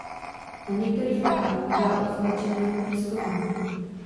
Na některých mapách bývá označeno jako Pískovna.